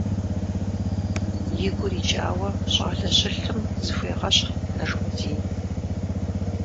И гур икӀауэ, щӀалэ щылъым зыхуегъэщхъ Нажмудин.